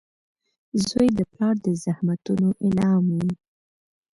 • زوی د پلار د زحمتونو انعام وي.